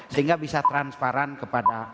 sehingga bisa transparan kepada